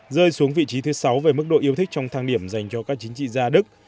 rơi xuống vị trí thứ sáu về mức độ yêu thích trong thang điểm dành cho các chính trị gia đức